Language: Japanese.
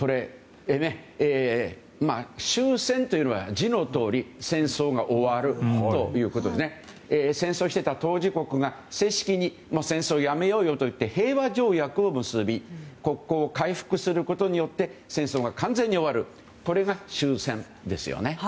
終戦というのは字のとおり戦争が終わるということで戦争をしていた当事国が正式に戦争をやめようよと平和条約を結び国交を回復することによって戦争が完全に終わるこれが終戦ですよね。